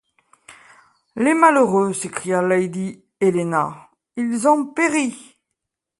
Les malheureux! s’écria lady Helena, ils ont péri !